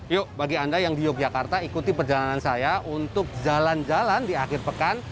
yuk bagi anda yang di yogyakarta ikuti perjalanan saya untuk jalan jalan di akhir pekan